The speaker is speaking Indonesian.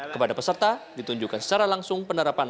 kepada peserta ditunjukkan secara langsung penerapan